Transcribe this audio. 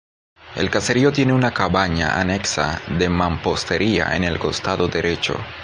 El caserío tiene una cabaña anexa de mampostería en el costado derecho.